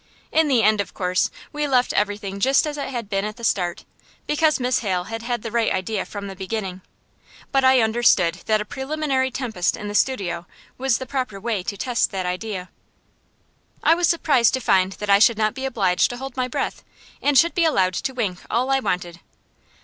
In the end, of course, we left everything just as it had been at the start, because Miss Hale had had the right idea from the beginning; but I understood that a preliminary tempest in the studio was the proper way to test that idea. I was surprised to find that I should not be obliged to hold my breath, and should be allowed to wink all I wanted.